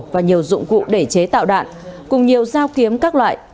và nhiều dụng cụ để chế tạo đạn cùng nhiều dao kiếm các loại